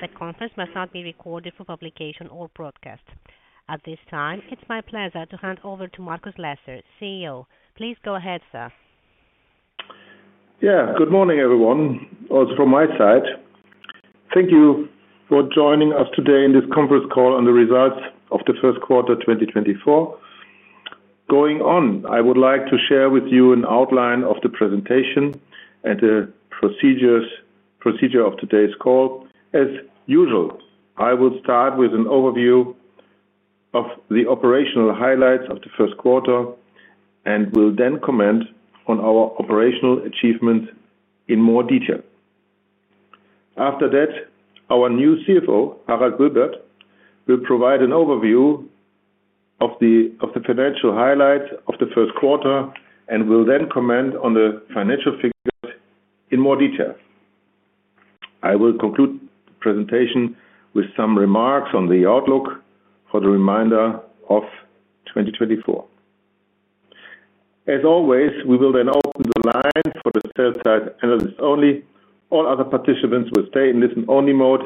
The conference must not be recorded for publication or broadcast. At this time, it's my pleasure to hand over to Markus Lesser, CEO. Please go ahead, sir. Yeah, good morning, everyone. From my side, thank you for joining us today in this conference call on the results of the first quarter 2024. Going on, I would like to share with you an outline of the presentation and the procedure of today's call. As usual, I will start with an overview of the operational highlights of the first quarter and will then comment on our operational achievements in more detail. After that, our new CFO, Harald Wilbert, will provide an overview of the financial highlights of the first quarter and will then comment on the financial figures in more detail. I will conclude the presentation with some remarks on the outlook for the remainder of 2024. As always, we will then open the line for the sell-side analysts only. All other participants will stay in listen-only mode,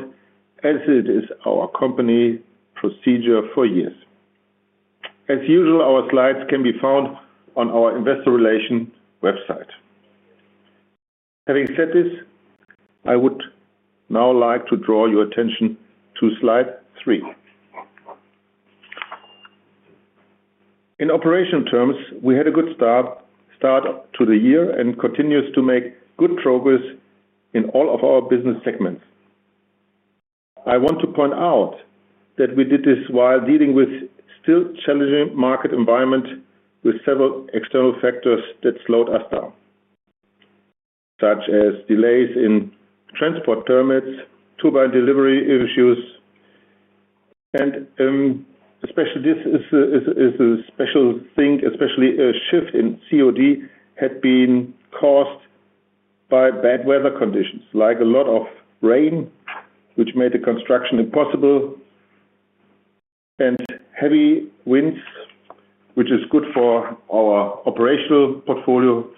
as it is our company procedure for years. As usual, our slides can be found on our investor relations website. Having said this, I would now like to draw your attention to slide three. In operational terms, we had a good start to the year and continues to make good progress in all of our business segments. I want to point out that we did this while dealing with still-challenging market environment with several external factors that slowed us down, such as delays in transport permits, turbine delivery issues. Especially this is a special thing, especially a shift in COD had been caused by bad weather conditions, like a lot of rain, which made the construction impossible, and heavy winds, which is good for our operational portfolio,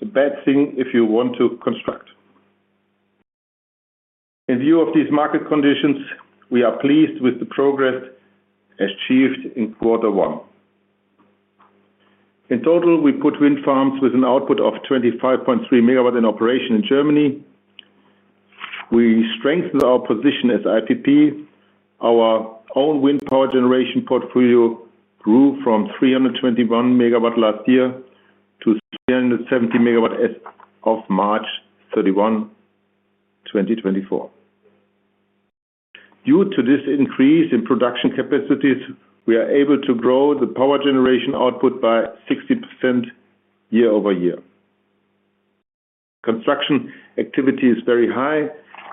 but a bad thing if you want to construct. In view of these market conditions, we are pleased with the progress achieved in quarter 1. In total, we put wind farms with an output of 25.3 megawatt in operation in Germany. We strengthened our position as IPP. Our own wind power generation portfolio grew from 321 megawatt last year to 370 megawatt as of March 31, 2024. Due to this increase in production capacities, we are able to grow the power generation output by 60% year-over-year. Construction activity is very high.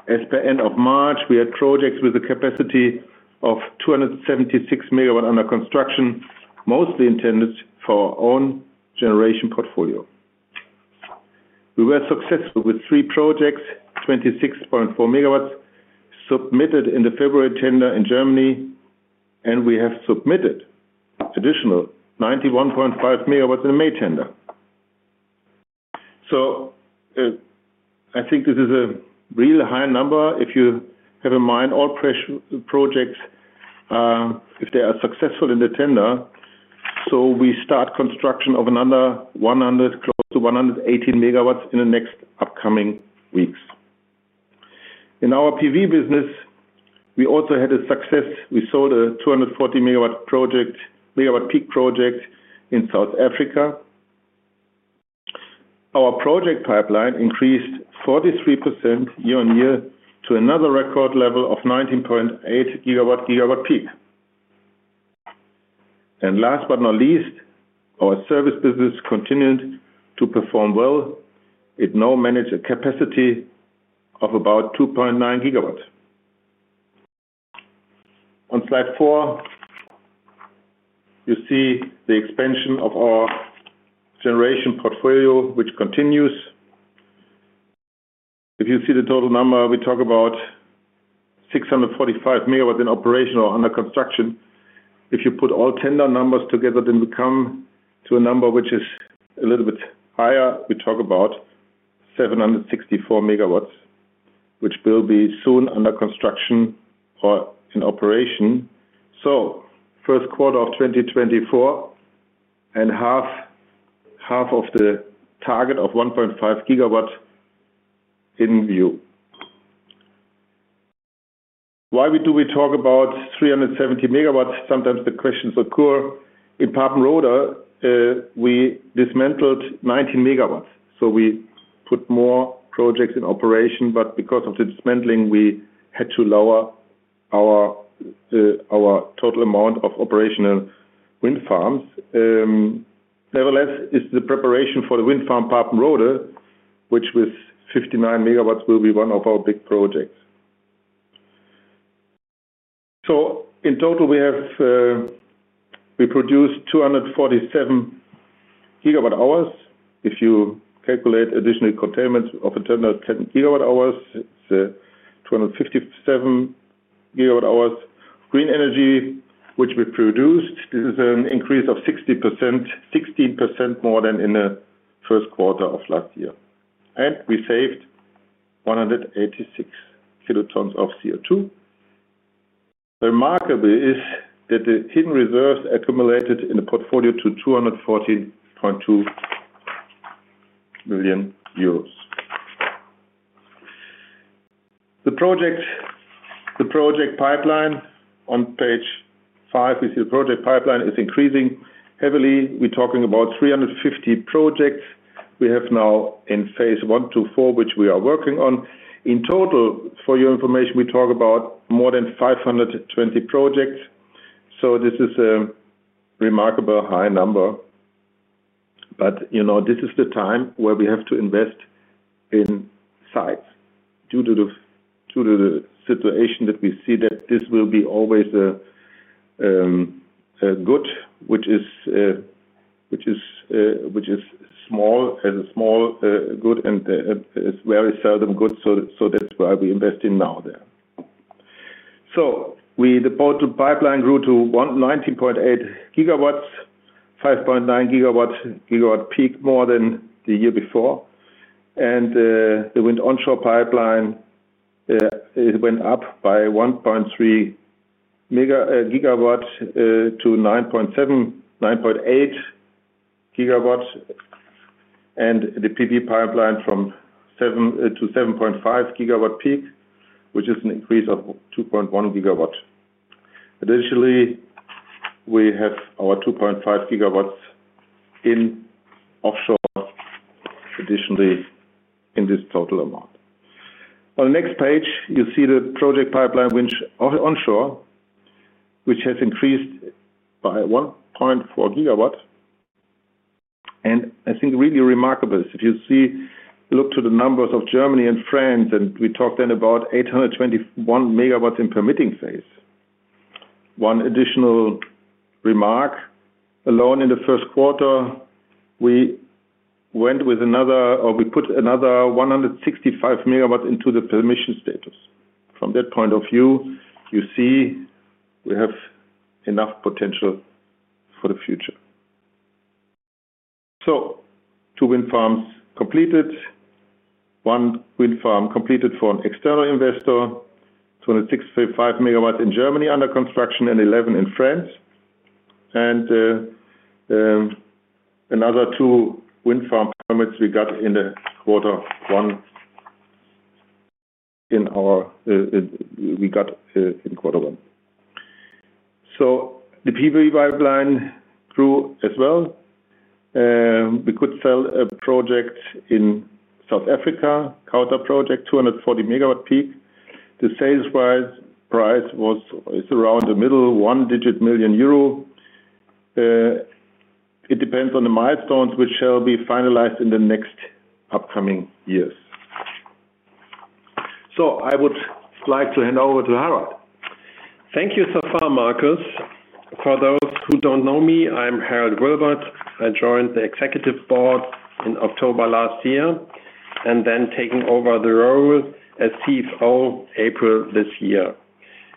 As per end of March, we had projects with a capacity of 276 MW under construction, mostly intended for our own generation portfolio. We were successful with three projects, 26.4 MW, submitted in the February tender in Germany, and we have submitted additional 91.5 MW in the May tender. So, I think this is a real high number if you have in mind all those projects, if they are successful in the tender. So we start construction of another 100, close to 118 MW, in the next upcoming weeks. In our PV business, we also had a success. We sold a 240-megawatt-peak project in South Africa. Our project pipeline increased 43% year-over-year to another record level of 19.8 GW peak. And last but not least, our service business continued to perform well. It now manages a capacity of about 2.9 GW. On slide four, you see the expansion of our generation portfolio, which continues. If you see the total number, we talk about 645 MW in operation or under construction. If you put all tender numbers together, then we come to a number which is a little bit higher. We talk about 764 MW, which will be soon under construction or in operation. So first quarter of 2024 and half of the target of 1.5 GW in view. Why do we talk about 370 MW? Sometimes the questions occur. In Papenroda, we dismantled 19 MW. So we put more projects in operation. But because of the dismantling, we had to lower our total amount of operational wind farms. Nevertheless, it's the preparation for the wind farm Papenroda, which with 59 MW will be one of our big projects. So in total, we have, we produced 247 GWh. If you calculate additional containment of internal 10 GWh, it's 257 GWh green energy, which we produced. This is an increase of 60% 16% more than in the first quarter of last year. And we saved 186 kilotons of CO2. Remarkable is that the hidden reserves accumulated in the portfolio to 214.2 million euros. The project the project pipeline on page five, we see the project pipeline is increasing heavily. We're talking about 350 projects we have now in phase one, two, four, which we are working on. In total, for your information, we talk about more than 520 projects. So this is a remarkable high number. But, you know, this is the time where we have to invest in size due to the situation that we see that this will be always a good, which is small, a small good and very seldom good. So that's why we invest in now there. So we the total pipeline grew to 119.8 gigawatts, 5.9 gigawatts peak more than the year before. And the wind onshore pipeline, it went up by 1.3 gigawatts to 9.78 gigawatts. And the PV pipeline from 7 to 7.5 gigawatts peak, which is an increase of 2.1 gigawatts. Additionally, we have our 2.5 gigawatts in offshore additionally in this total amount. On the next page, you see the project pipeline wind onshore, which has increased by 1.4 gigawatts. I think really remarkable is if you see look to the numbers of Germany and France, and we talked then about 821 megawatts in permitting phase. One additional remark alone in the first quarter, we went with another or we put another 165 megawatts into the permitting status. From that point of view, you see we have enough potential for the future. So two wind farms completed. One wind farm completed for an external investor. 265 megawatts in Germany under construction and 11 in France. And, another two wind farm permits we got in quarter 1. So the PV pipeline grew as well. We could sell a project in South Africa, Khauta project, 240 megawatt peak. The sales price was around the middle 1 digit million EUR. It depends on the milestones, which shall be finalized in the next upcoming years. So I would like to hand over to Harald. Thank you so far, Markus. For those who don't know me, I'm Harald Wilbert. I joined the executive board in October last year and then taking over the role as CFO April this year.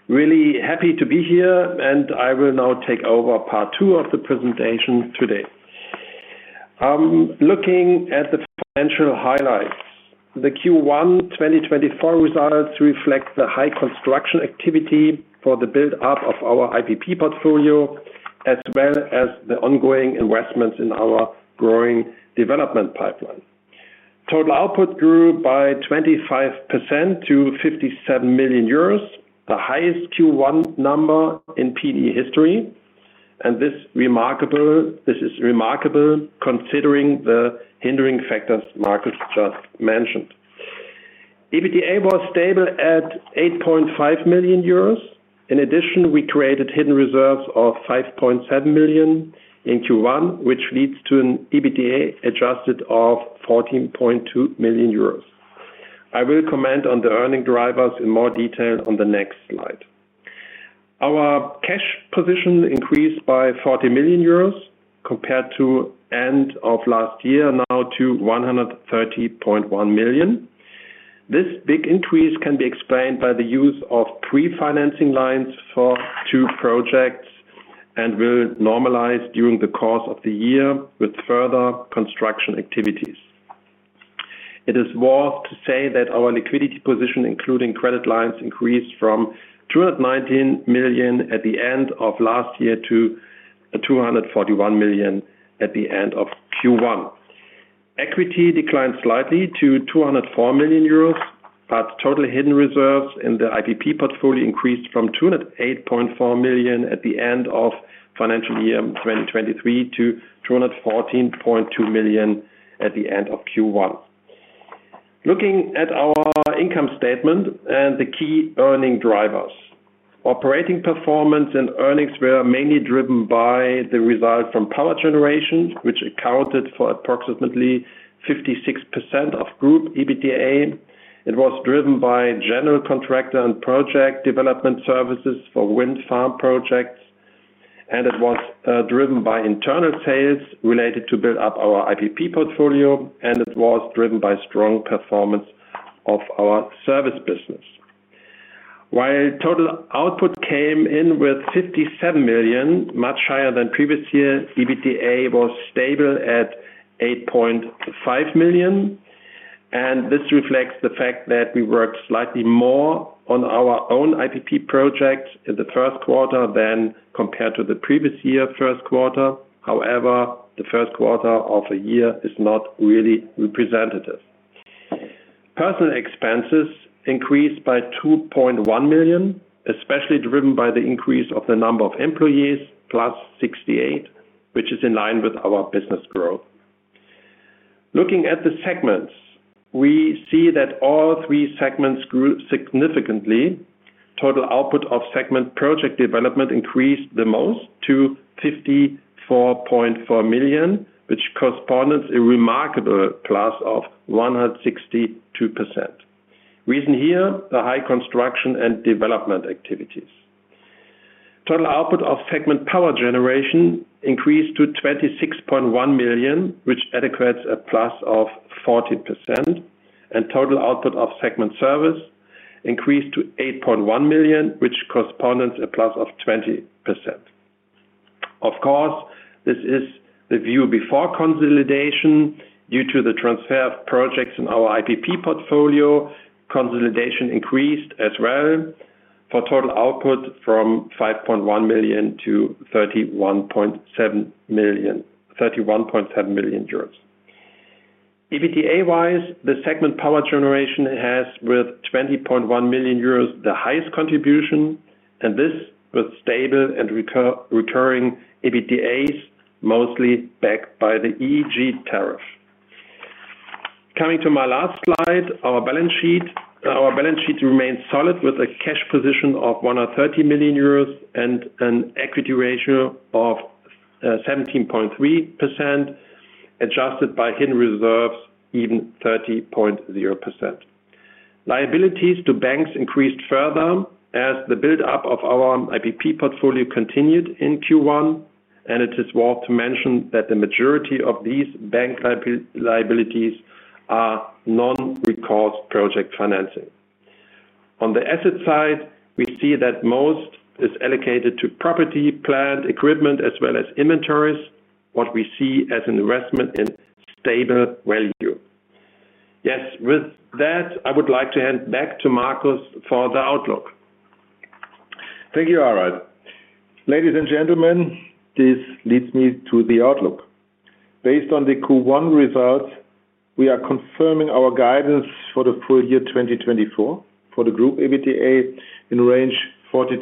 Really happy to be here. And I will now take over part two of the presentation today. Looking at the financial highlights, the Q1 2024 results reflect the high construction activity for the buildup of our IPP portfolio as well as the ongoing investments in our growing development pipeline. Total output grew by 25% to 57 million euros, the highest Q1 number in PV history. And this remarkable this is remarkable considering the hindering factors Markus just mentioned. EBITDA was stable at 8.5 million euros. In addition, we created hidden reserves of 5.7 million in Q1, which leads to an EBITDA adjusted of 14.2 million euros. I will comment on the earning drivers in more detail on the next slide. Our cash position increased by 40 million euros compared to end of last year, now to 130.1 million. This big increase can be explained by the use of pre-financing lines for two projects and will normalize during the course of the year with further construction activities. It is worth to say that our liquidity position, including credit lines, increased from 219 million at the end of last year to 241 million at the end of Q1. Equity declined slightly to 204 million euros, but total hidden reserves in the IPP portfolio increased from 208.4 million at the end of financial year 2023 to 214.2 million at the end of Q1. Looking at our income statement and the key earning drivers, operating performance and earnings were mainly driven by the result from power generation, which accounted for approximately 56% of group EBITDA. It was driven by general contractor and project development services for wind farm projects. It was driven by internal sales related to build up our IPP portfolio. It was driven by strong performance of our service business. While total output came in with 57 million, much higher than previous year, EBITDA was stable at 8.5 million. This reflects the fact that we worked slightly more on our own IPP project in the first quarter than compared to the previous year first quarter. However, the first quarter of a year is not really representative. Personal expenses increased by 2.1 million, especially driven by the increase of the number of employees +68, which is in line with our business growth. Looking at the segments, we see that all three segments grew significantly. Total output of segment project development increased the most to 54.4 million, which corresponds a remarkable plus of 162%. Reason here, the high construction and development activities. Total output of segment power generation increased to 26.1 million, which equates a plus of 40%. Total output of segment service increased to 8.1 million, which corresponds a plus of 20%. Of course, this is the view before consolidation. Due to the transfer of projects in our IPP portfolio, consolidation increased as well for total output from 5.1 million to 31.7 million 31.7 million euros. EBITDA-wise, the segment power generation has with 20.1 million euros the highest contribution. And this with stable and recurring EBITDAs, mostly backed by the EEG tariff. Coming to my last slide, our balance sheet remains solid with a cash position of 130 million euros and an equity ratio of 17.3% adjusted by hidden reserves, even 30.0%. Liabilities to banks increased further as the buildup of our IPP portfolio continued in Q1. It is worth to mention that the majority of these bank liabilities are non-recourse project financing. On the asset side, we see that most is allocated to property, plant equipment, as well as inventories, what we see as an investment in stable value. Yes, with that, I would like to hand back to Markus for the outlook. Thank you, Harald. Ladies and gentlemen, this leads me to the outlook. Based on the Q1 results, we are confirming our guidance for the full year 2024 for the group EBITDA in the range 40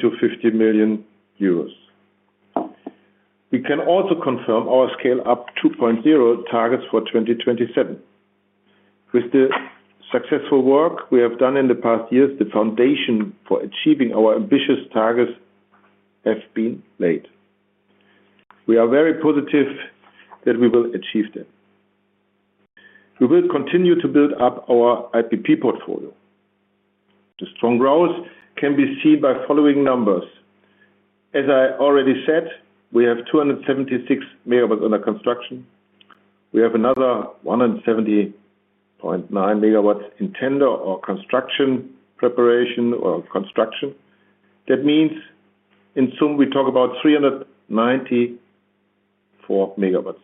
million-50 million euros. We can also confirm our Scale up 2.0 targets for 2027. With the successful work we have done in the past years, the foundation for achieving our ambitious targets has been laid. We are very positive that we will achieve them. We will continue to build up our IPP portfolio. The strong growth can be seen by the following numbers. As I already said, we have 276 MW under construction. We have another 170.9 MW in tender or construction preparation or construction. That means in sum, we talk about 394 MW.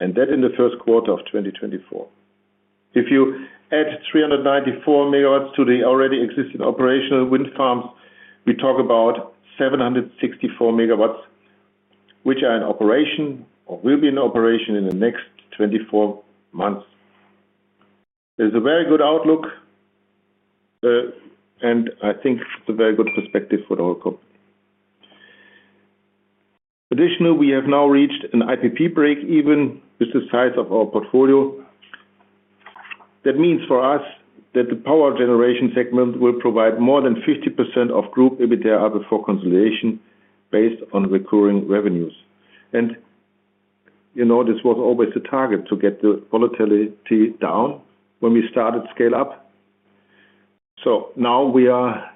And that in the first quarter of 2024. If you add 394 megawatts to the already existing operational wind farms, we talk about 764 megawatts, which are in operation or will be in operation in the next 24 months. There's a very good outlook, and I think it's a very good perspective for the whole company. Additionally, we have now reached an IPP break even with the size of our portfolio. That means for us that the power generation segment will provide more than 50% of group EBITDA up before consolidation based on recurring revenues. And, you know, this was always the target to get the volatility down when we started scale-up. So now we are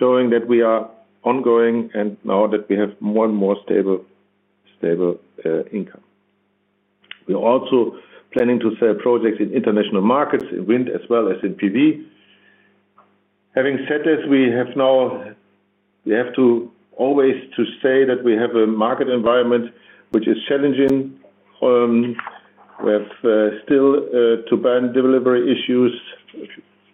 showing that we are ongoing and now that we have more and more stable, stable, income. We're also planning to sell projects in international markets in wind as well as in PV. Having said this, we have now we have to always to say that we have a market environment, which is challenging. We have, still, to bear delivery issues.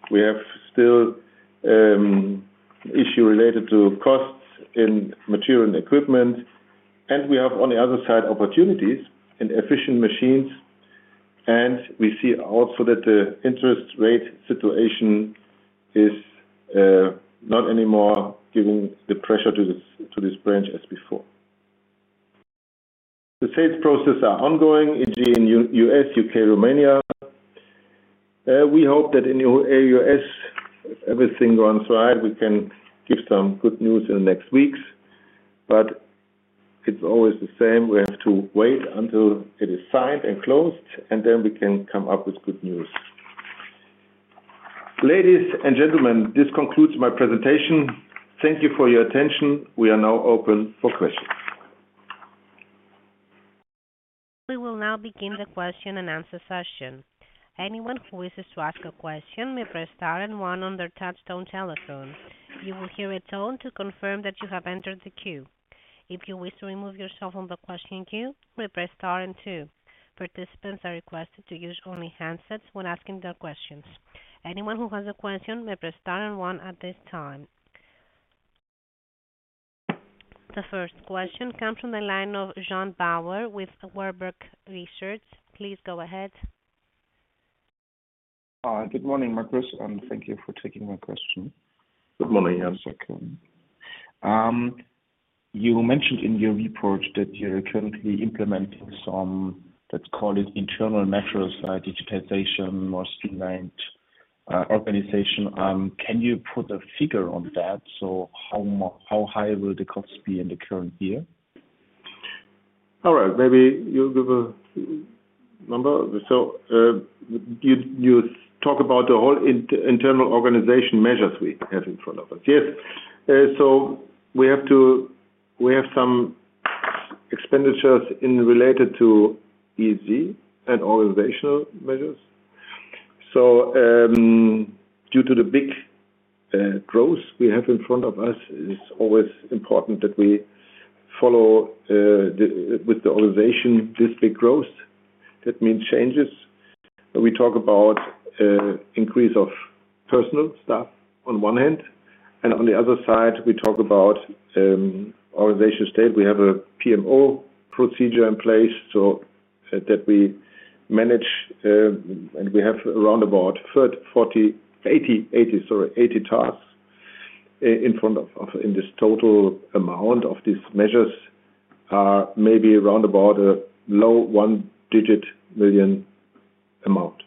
We have still, issues related to costs in material and equipment. And we have on the other side opportunities in efficient machines. And we see also that the interest rate situation is, not anymore giving the pressure to this to this branch as before. The sales process are ongoing, e.g., in U.S., U.K., Romania. We hope that in the U.S., if everything runs right, we can give some good news in the next weeks. But it's always the same. We have to wait until it is signed and closed. And then we can come up with good news. Ladies and gentlemen, this concludes my presentation. Thank you for your attention. We are now open for questions. We will now begin the question and answer session. Anyone who wishes to ask a question may press star and one on their touch-tone telephone. You will hear a tone to confirm that you have entered the queue. If you wish to remove yourself from the question queue, may press star and two. Participants are requested to use only handsets when asking their questions. Anyone who has a question may press star and one at this time. The first question comes from the line of Jan Bauer with Warburg Research. Please go ahead. Good morning, Markus. Thank you for taking my question. Good morning. One second. You mentioned in your report that you are currently implementing some, let's call it, internal metrics, digitization, more streamlined organization. Can you put a figure on that? So how much how high will the costs be in the current year? All right maybe you'll give a number. So, you talk about the whole internal organization measures we have in front of us. Yes. So we have some expenditures related to EEG and organizational measures. So, due to the big growth we have in front of us, it's always important that we follow with the organization this big growth. That means changes. We talk about increase of personnel staff on one hand. And on the other side, we talk about organization state. We have a PMO procedure in place, so that we manage, and we have around about 30, 40, 80, 80, sorry, 80 tasks in front of us. In this total amount of these measures are maybe around about a low 1-digit million EUR amount.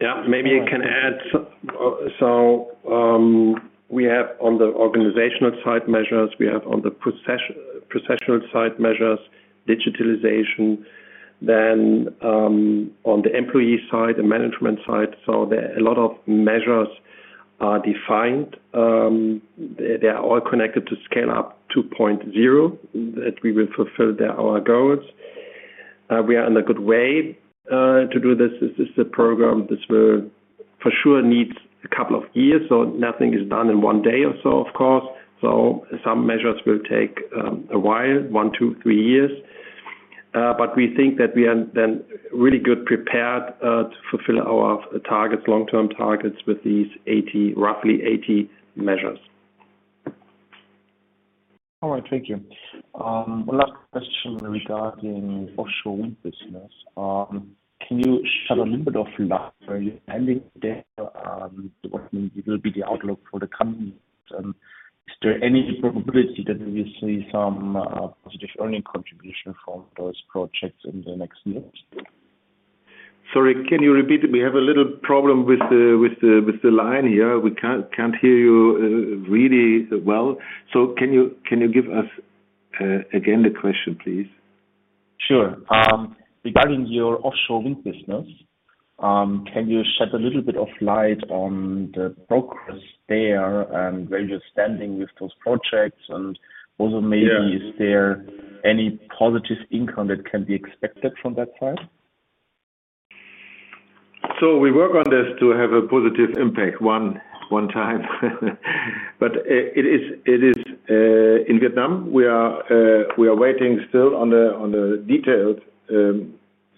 Yeah. Maybe I can add so, we have on the organizational side measures, we have on the professional side measures, digitalization. Then, on the employee side and management side, so there are a lot of measures are defined. They're all connected to Scale up 2.0 that we will fulfill their our goals. We are in a good way to do this. This is a program this will for sure needs a couple of years. So nothing is done in one day or so, of course. So some measures will take a while, one, two, three years. But we think that we are then really good prepared to fulfill our targets, long-term targets with these roughly 80 measures. All right thank you. One last question regarding offshore wind business, can you share a little bit of light on where you're heading there, what that means for the outlook for the coming years? Is there any probability that we will see some positive earnings contribution from those projects in the next years? Sorry. Can you repeat? We have a little problem with the line here. We can't hear you really well. So can you give us the question again, please? Sure. Regarding your offshore wind business, can you shed a little bit of light on the progress there and where you're standing with those projects? And also maybe is there any positive income that can be expected from that side? So we work on this to have a positive impact one time. But it is, in Vietnam, we are waiting still on the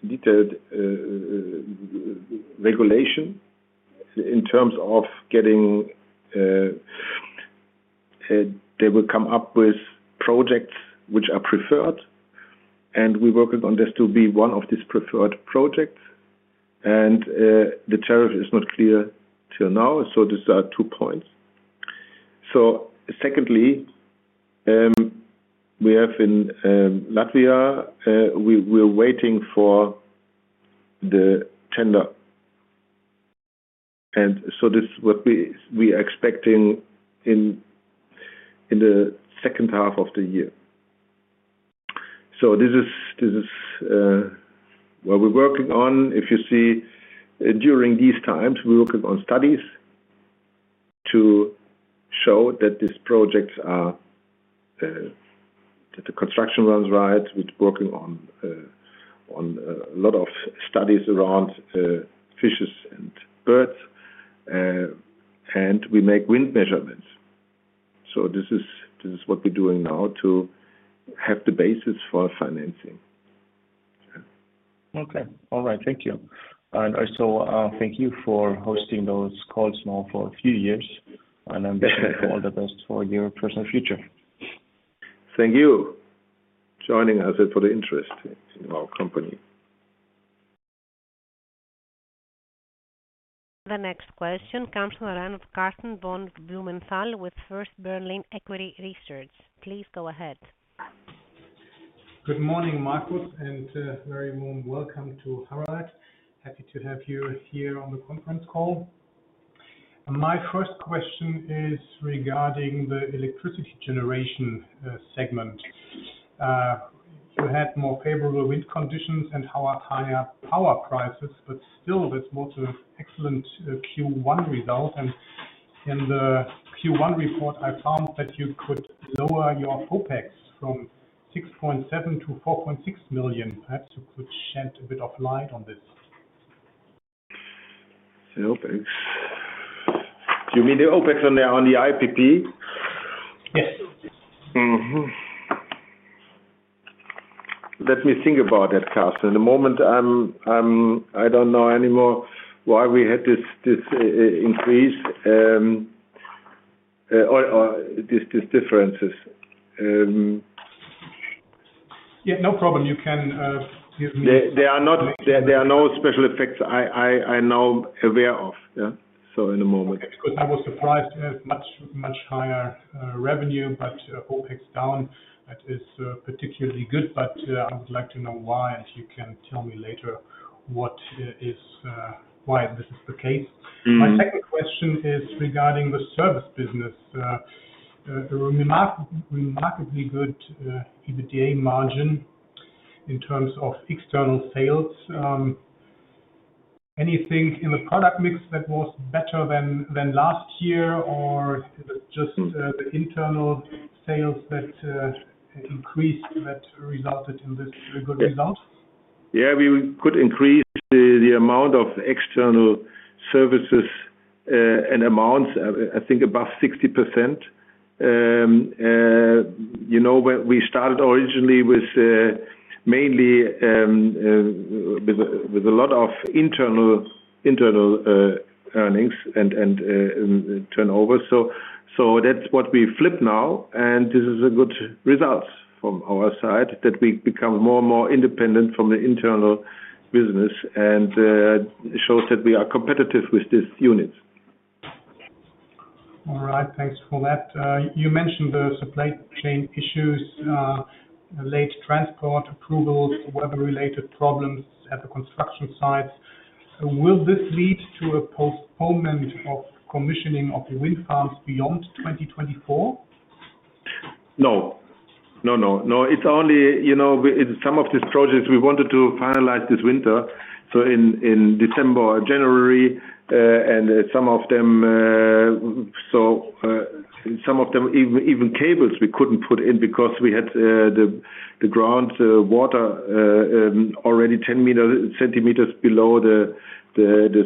detailed regulation in terms of getting, they will come up with projects which are preferred. And we working on this to be one of these preferred projects. And the tariff is not clear till now. So these are two points. So secondly, we have in Latvia, we are waiting for the tender. And so this what we are expecting in the second half of the year. So this is what we're working on. If you see, during these times, we're working on studies to show that these projects are that the construction runs right. We're working on a lot of studies around fishes and birds, and we make wind measurements. So this is what we're doing now to have the basis for financing. Yeah. Okay. All right. Thank you. And so, thank you for hosting those calls now for a few years. And I'm wishing you all the best for your personal future. Thank you for joining us and for the interest in our company. The next question comes from a line of Karsten von Blumenthal with First Berlin Equity Research. Please go ahead. Good morning, Markus. And a very warm welcome to Harald. Happy to have you here on the conference call. My first question is regarding the electricity generation segment. You had more favorable wind conditions and how much higher power prices. But still, there's more to an excellent Q1 result. And in the Q1 report, I found that you could lower your OPEX from 6.7 million to 4.6 million. Perhaps you could shed a bit of light on this. OPEX. Do you mean the OPEX on the IPP? Yes. Mm-hmm. Let me think about that, Karsten. In the moment, I don't know anymore why we had this increase, or these differences. Yeah. No problem. You can give me. They are no special effects I'm aware of. Yeah. So in a moment. Because I was surprised to have much higher revenue, but OpEx down. That is particularly good. But I would like to know why. And you can tell me later why this is the case. My second question is regarding the service business. Remarkably good EBITDA margin in terms of external sales. Anything in the product mix that was better than last year? Or is it just the internal sales that increased that resulted in this good result? Yeah we could increase the amount of external services, and amounts, I think, above 60%. You know, we started originally with, mainly, with a lot of internal earnings and turnover. So that's what we flip now. And this is a good result from our side that we become more and more independent from the internal business. And shows that we are competitive with these units. All right. Thanks for that. You mentioned the supply chain issues, late transport approvals, weather-related problems at the construction sites. Will this lead to a postponement of commissioning of the wind farms beyond 2024? No. No, no, no. It's only, you know, we in some of these projects, we wanted to finalize this winter. So in December, January, and some of them, so some of them even cables, we couldn't put in because we had the groundwater already 10 meter centimeters below the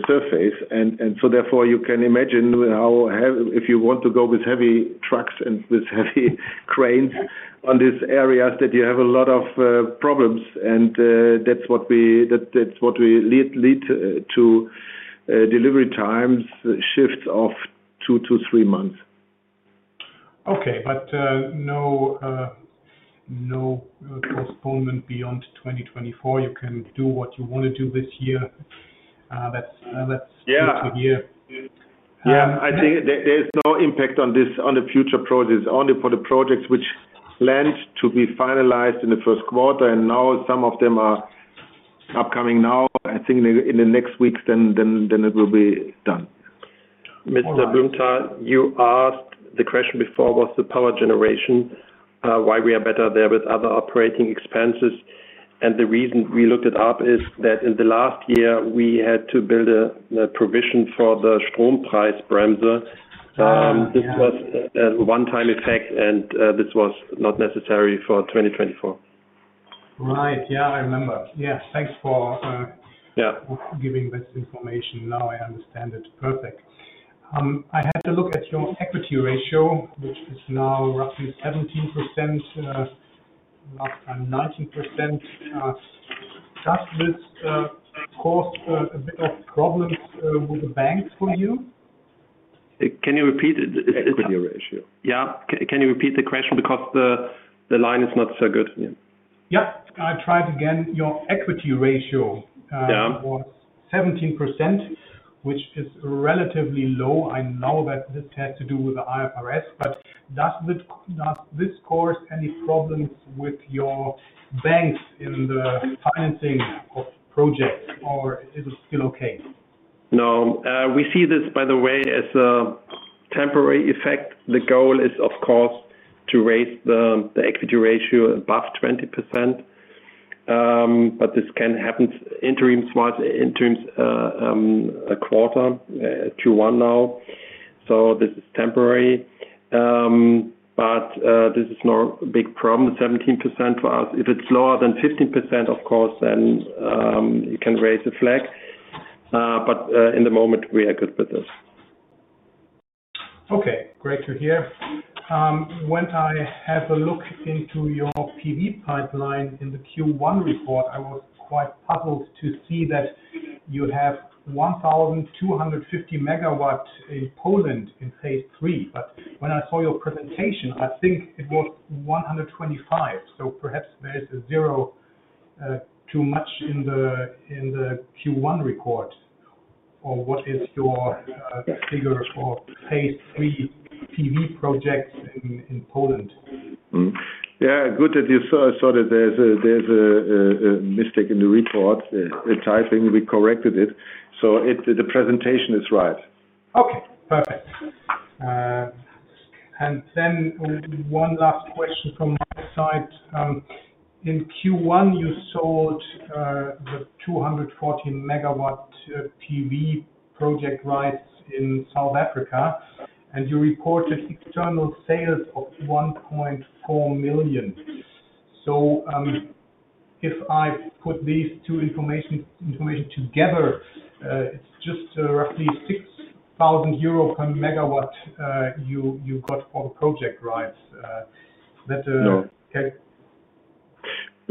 surface. And so therefore, you can imagine how heavy if you want to go with heavy trucks and with heavy cranes on these areas that you have a lot of problems. And that's what we led to, delivery times shifts of two to three months. Okay. But no postponement beyond 2024. You can do what you want to do this year. That's good to hear. Yeah. Yeah. I think there's no impact on the future projects, only for the projects which planned to be finalized in the first quarter. And now some of them are upcoming now. I think in the next weeks, then it will be done. Mr. Blumenthal, you asked the question before about the power generation, why we are better there with other operating expenses. And the reason we looked it up is that in the last year, we had to build a provision for the Strompreisbremse. This was a one-time effect. And this was not necessary for 2024. Right. Yeah. I remember. Yeah. Thanks for giving this information. Now I understand it. Perfect. I had to look at your equity ratio, which is now roughly 17%, last time 19%, does this cause a bit of problems with the banks for you? Can you repeat it? Equity ratio. Yeah. Can you repeat the question? Because the line is not so good. Yeah. Yeah. I tried again. Your equity ratio was 17%, which is relatively low, I know that this has to do with the IFRS. But does it does this cause any problems with your banks in the financing of projects? Or is it still okay? No. We see this, by the way, as a temporary effect. The goal is, of course, to raise the equity ratio above 20%. But this can happen interim-wise, a quarter, Q1 now. So this is temporary. But this is no big problem, 17% for us. If it's lower than 15%, of course, then you can raise a flag. But in the moment, we are good with this. Okay. Great to hear. When I have a look into your PV pipeline in the Q1 report, I was quite puzzled to see that you have 1,250 megawatts in Poland in phase three. But when I saw your presentation, I think it was 125. So perhaps there's a zero too much in the Q1 report. Or what is your figure for phase three PV projects in Poland? Yeah. Good that you saw. I saw that there's a mistake in the report, the typing. We corrected it. So the presentation is right. Okay. Perfect. Then one last question from my side. In Q1, you sold the 240-megawatt PV project rights in South Africa, and you reported external sales of 1.4 million. So if I put these two information together, it's just roughly 6,000 euro per megawatt you got for the project rights. That? No.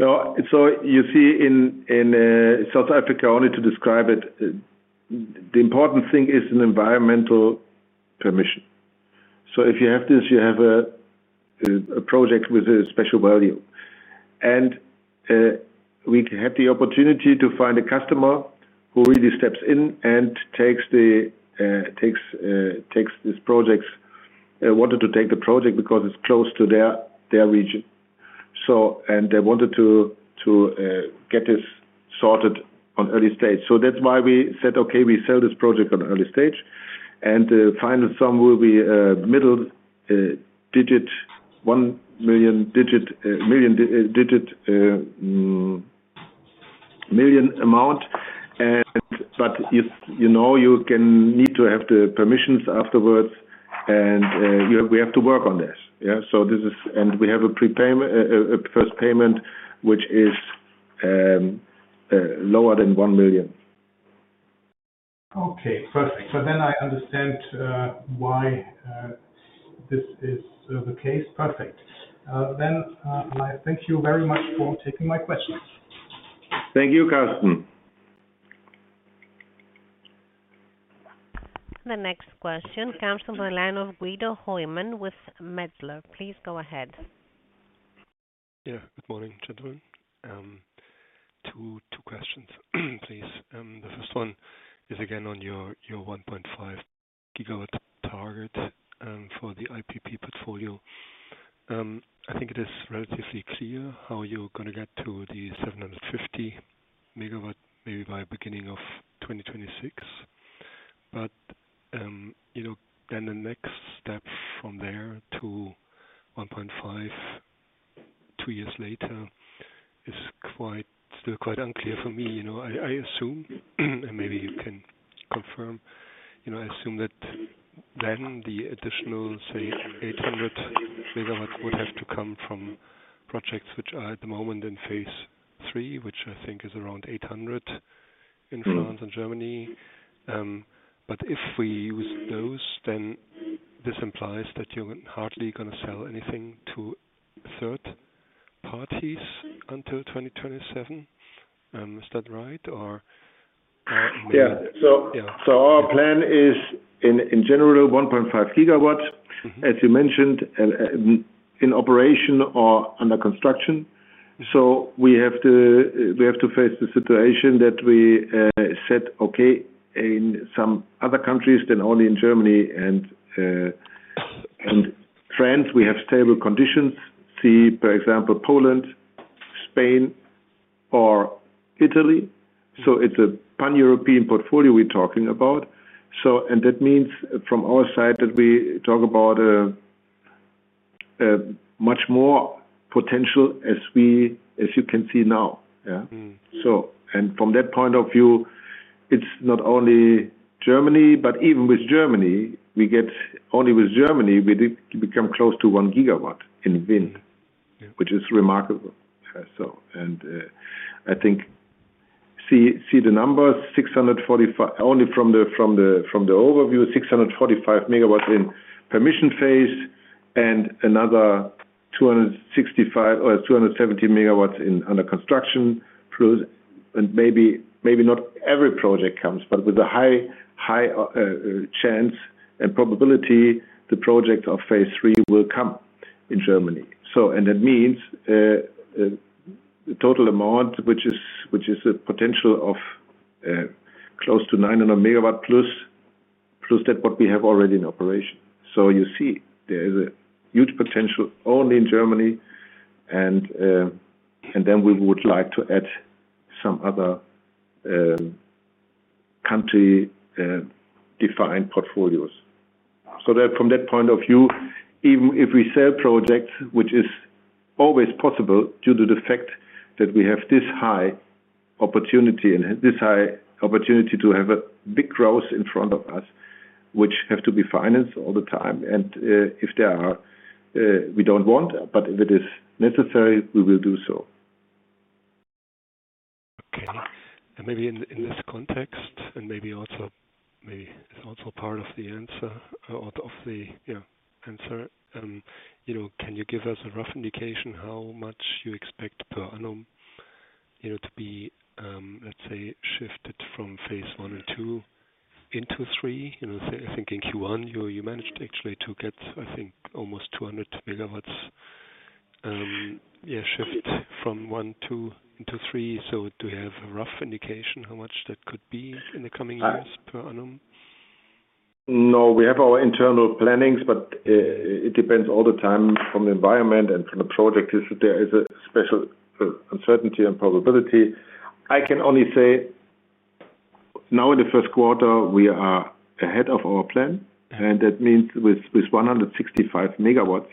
No. So you see, in South Africa, only to describe it, the important thing is an environmental permission. So if you have this, you have a project with a special value. And we had the opportunity to find a customer who really steps in and takes these projects. They wanted to take the project because it's close to their region. So they wanted to get this sorted on early stage. So that's why we said, "Okay. We sell this project on early stage." And the final sum will be a mid-single-digit million amount. But you know, you need to have the permissions afterwards. And we have to work on this. Yeah. So we have a prepayment, a first payment, which is lower than 1 million. Okay. Perfect. So then I understand why this is the case. Perfect. Then I thank you very much for taking my questions. Thank you, Karsten. The next question comes from a line of Guido Hoymann with Metzler. Please go ahead. Yeah. Good morning, gentlemen. Two two questions, please. The first one is, again, on your your 1.5 gigawatt target, for the IPP portfolio. I think it is relatively clear how you're going to get to the 750 megawatt maybe by beginning of 2026. But, you know, then the next step from there to 1.5 two years later is quite still quite unclear for me. You know, I I assume and maybe you can confirm. You know, I assume that then the additional, say, 800 megawatt would have to come from projects which are at the moment in phase three, which I think is around 800 in France and Germany. But if we use those, then this implies that you're hardly going to sell anything to third parties until 2027. Is that right? Or or maybe. Yeah. So our plan is in general 1.5 gigawatts, as you mentioned, in operation or under construction. So we have to face the situation that we said, "Okay. In some other countries than only in Germany and France, we have stable conditions." See, for example, Poland, Spain, or Italy. So it's a pan-European portfolio we're talking about. So that means, from our side, that we talk about much more potential as you can see now. Yeah. So from that point of view, it's not only Germany. But even with only Germany, we become close to 1 gigawatt in wind, which is remarkable. So. And I think, see the numbers, 645 only from the overview, 645 megawatts in permission phase. And another 265 or 270 megawatts in under construction. Plus, and maybe not every project comes. But with a high chance and probability, the projects of phase three will come in Germany. So, and that means total amount, which is a potential of close to 900 MW plus than what we have already in operation. So you see, there is a huge potential only in Germany. And then we would like to add some other country-defined portfolios. So that from that point of view, even if we sell projects, which is always possible due to the fact that we have this high opportunity to have a big growth in front of us, which have to be financed all the time. And if there are, we don't want. But if it is necessary, we will do so. Okay. And maybe in this context and maybe also it's also part of the answer or of the answer. You know, can you give us a rough indication how much you expect per annum, you know, to be, let's say, shifted from phase one and two into three? You know, I think in Q1, you managed, actually, to get, I think, almost 200 MW, yeah, shift from one into three. So do you have a rough indication how much that could be in the coming years per annum? No. We have our internal plannings. But it depends all the time from the environment and from the project. There is a special uncertainty and probability. I can only say, now in the first quarter, we are ahead of our plan. And that means with 165 MW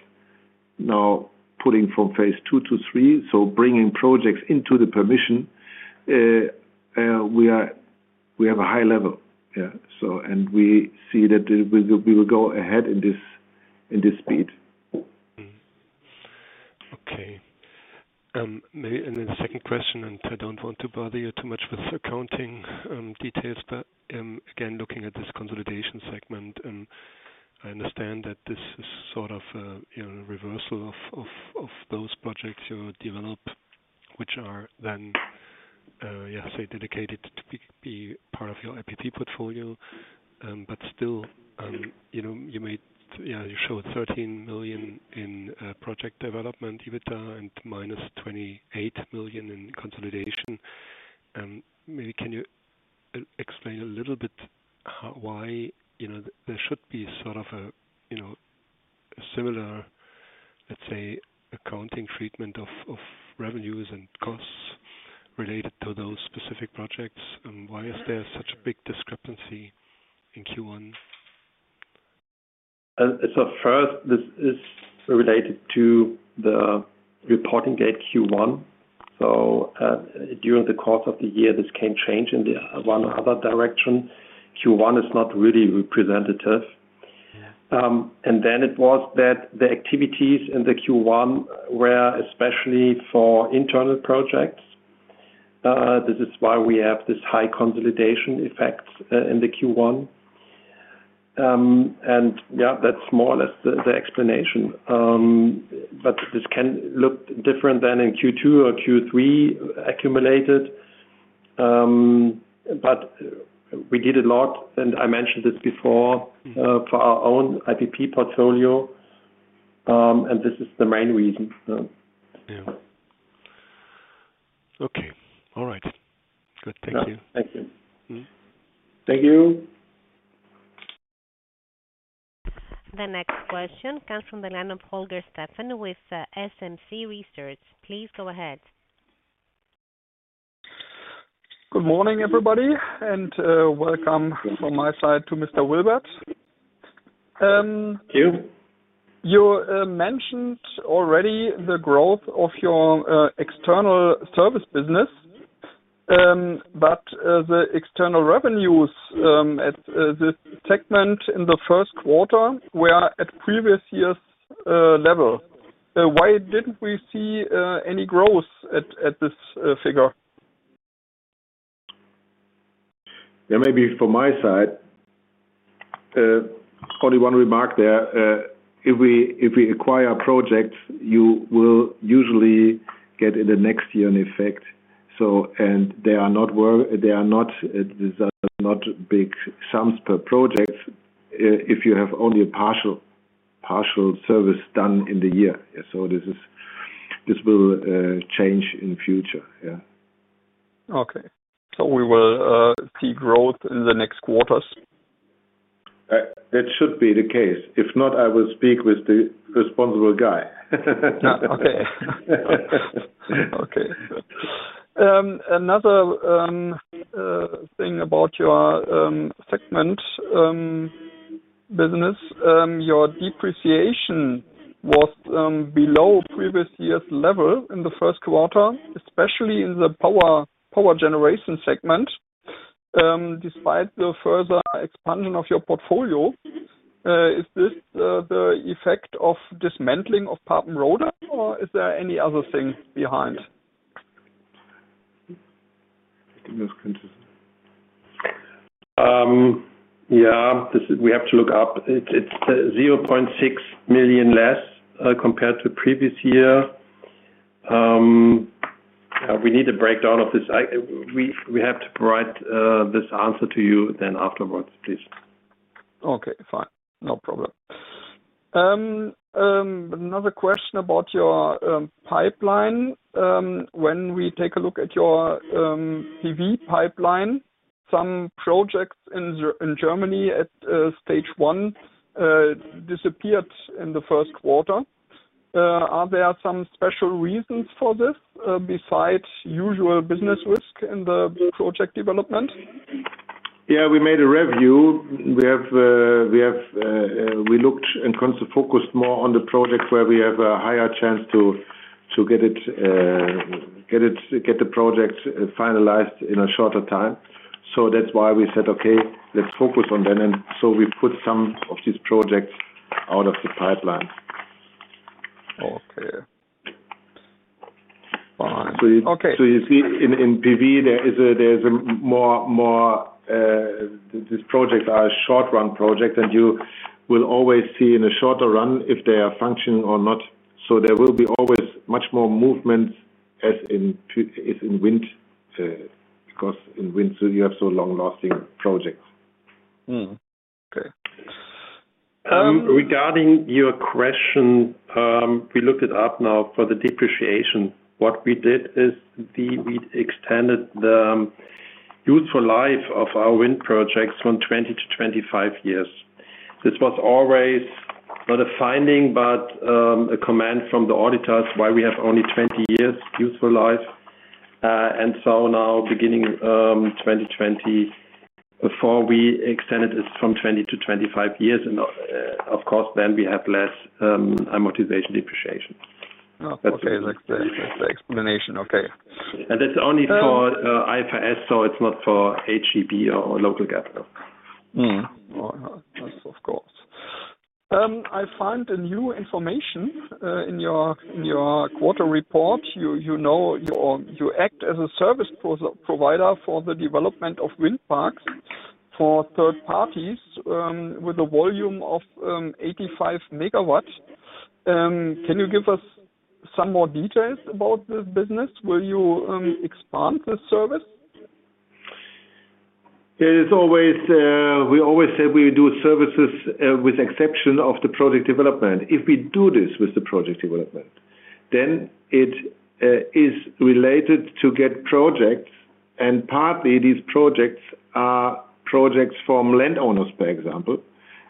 now putting from phase two to three, so bringing projects into the permission, we have a high level. Yeah. So and we see that we will go ahead in this speed. Okay, maybe and then the second question. And I don't want to bother you too much with accounting details. But, again, looking at this consolidation segment, I understand that this is sort of a, you know, reversal of those projects you develop, which are then, yeah, say, dedicated to be part of your IPP portfolio. But still, you know, you made yeah, you showed 13 million in project development EBITDA, and minus 28 million in consolidation. Maybe can you explain a little bit how why, you know, there should be sort of a, you know, a similar, let's say, accounting treatment of revenues and costs related to those specific projects? Why is there such a big discrepancy in Q1? So first, this is related to the reporting date, Q1. So, during the course of the year, this can change in the one or other direction. Q1 is not really representative. And then it was that the activities in the Q1 were especially for internal projects. This is why we have this high consolidation effect in the Q1. And yeah, that's more or less the explanation. But this can look different than in Q2 or Q3 accumulated. But we did a lot. And I mentioned this before, for our own IPP portfolio. And this is the main reason. Yeah. Okay. All right. Good. Thank you. Thank you. The next question comes from the line of Holger Steffen with SMC Research. Please go ahead. Good morning, everybody. And welcome from my side to Mr. Wilbert. Thank you. You mentioned already the growth of your external service business, but the external revenues at this segment in the first quarter were at previous year's level. Why didn't we see any growth at this figure? Yeah. Maybe from my side only one remark there. If we acquire projects, you will usually get in the next year an effect. So and they are not these are not big sums per project, if you have only a partial service done in the year. Yeah. So this will change in future. Yeah. Okay. So we will see growth in the next quarters? That should be the case, If not, I will speak with the responsible guy. Yeah. Okay. Okay. Another thing about your segment business, your depreciation was below previous year's level in the first quarter, especially in the power generation segment, despite the further expansion of your portfolio. Is this the effect of dismantling of Papenrode? Or is there any other thing behind? I think that's consistent. Yeah. This is we have to look up. It's 0.6 million less, compared to previous year. Yeah. We need a breakdown of this. We have to provide this answer to you then afterwards, please. Okay. Fine. No problem. Another question about your pipeline. When we take a look at your PV pipeline, some projects in Germany at stage one disappeared in the first quarter. Are there some special reasons for this, besides usual business risk in the project development? Yeah. We made a review, we looked and focused more on the projects where we have a higher chance to get the projects finalized in a shorter time. So that's why we said, "Okay. Let's focus on then." And so we put some of these projects out of the pipeline. Okay. Fine. So you see, in PV, there is more; these projects are short-run projects. And you will always see in a shorter run if they are functioning or not. So there will be always much more movements as in wind, because in wind, you have long-lasting projects. Okay. Regarding your question, we looked it up now for the depreciation. What we did is we extended the useful life of our wind projects from 20 to 25 years. This was always not a finding, but a command from the auditors why we have only 20 years useful life. So now, beginning 2024, we extended it from 20 to 25 years. Of course, then we have less amortization depreciation. Oh. Okay. That's the that's the explanation. Okay. And that's only for IFRS. So it's not for HGB or local capital. Well, that's of course. I find new information in your quarterly report. You know. Or you act as a service provider for the development of wind parks for third parties, with a volume of 85 MW. Can you give us some more details about this business? Will you expand this service? Yeah. It's always we always say we do services, with exception of the project development. If we do this with the project development, then it is related to get projects. And partly, these projects are projects from landowners, for example.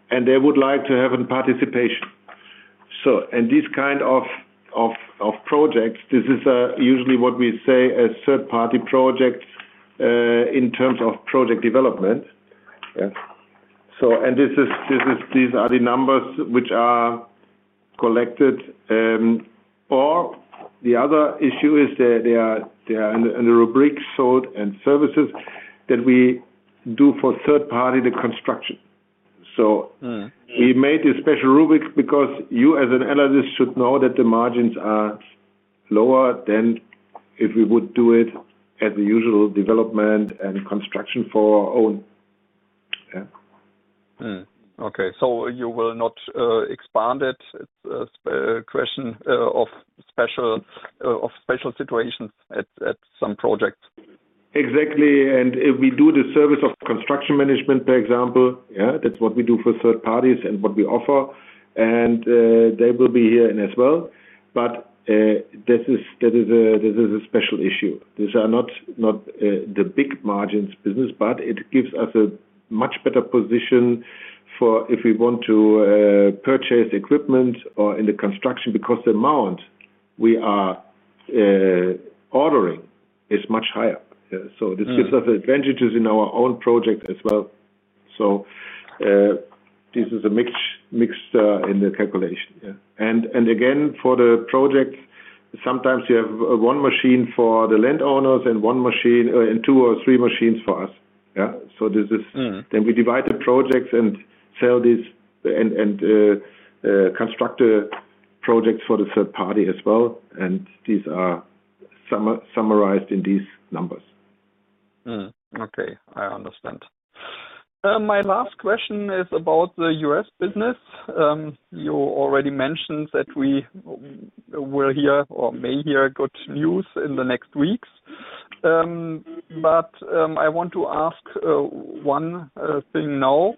And they would like to have a participation. So and these kind of projects, this is, usually what we say as third-party projects, in terms of project development. Yeah. So and these are the numbers which are collected. Or the other issue is they are in the rubric sold and services that we do for third-party, the construction. So. We made a special rubric because you, as an analyst, should know that the margins are lower than if we would do it as a usual development and construction for our own. Yeah. Okay. So you will not expand it. It's a question of special situations at some projects. Exactly, If we do the service of construction management, for example, yeah, that's what we do for third parties and what we offer. They will be here in as well. But this is a special issue. These are not the big margins business. But it gives us a much better position for if we want to purchase equipment or in the construction because the amount we are ordering is much higher. Yeah. So this gives us advantages in our own projects as well. So this is a mixture in the calculation. Yeah. And again, for the projects, sometimes you have one machine for the landowners and one machine and two or three machines for us. Yeah. So this is, then we divide the projects and sell these and construct the projects for the third party as well. And these are summarized in these numbers. Okay. I understand. My last question is about the U.S. business. You already mentioned that we will hear or may hear good news in the next weeks. But I want to ask one thing now.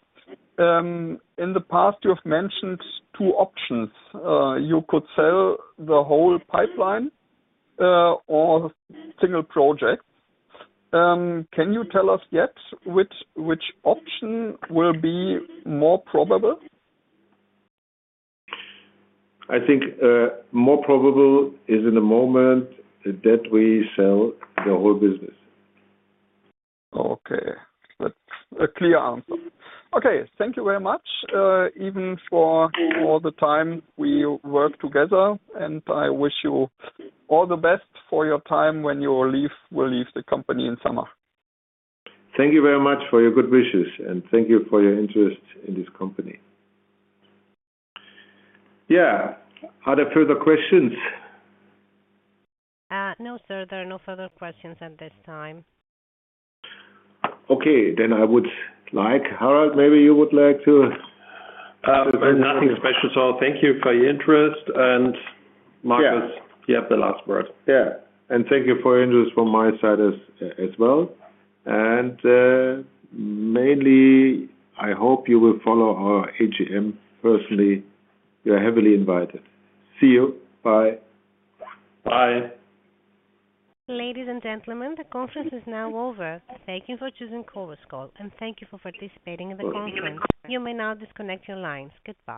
In the past, you have mentioned two options. You could sell the whole pipeline, or single projects. Can you tell us yet which which option will be more probable? I think more probable is in the moment that we sell the whole business. Okay. That's a clear answer. Okay. Thank you very much, even for all the time we worked together. And I wish you all the best for your time when you leave will leave the company in summer. Thank you very much for your good wishes. And thank you for your interest in this company. Yeah. Are there further questions? No sir, there are no further questions at this time. Okay. Then I would like Harald, maybe you would like to. Nothing special, sir. Thank you for your interest. And Markus, you have the last word. Yeah. And thank you for your interest from my side as well. And, mainly, I hope you will follow our AGM personally. You are heavily invited. See you. Bye. Bye. Ladies and gentlemen, the conference is now over. Thank you for choosing ChorusCall. And thank you for participating in the conference. You may now disconnect your lines. Goodbye.